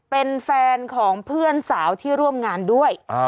เป็นแฟนของเพื่อนสาวที่ร่วมงานด้วย